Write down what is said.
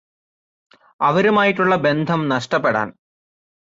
അവരുമായിട്ടുള്ള ബന്ധം നഷ്ടപ്പെടാന്